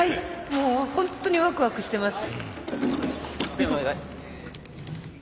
もうホントにワクワクしてます。